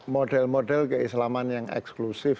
model model keislaman yang eksklusif